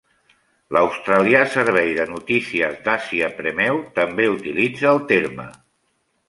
L'australià servei de notícies d'Àsia Premeu també utilitza el terme.